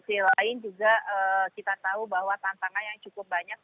di sisi lain juga kita tahu bahwa tantangan yang cukup banyak